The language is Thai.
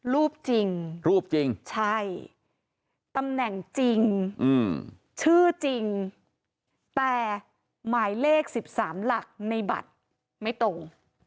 รูปจริงรูปจริงใช่ตำแหน่งจริงชื่อจริงแต่หมายเลข๑๓หลักในบัตรไม่ตรง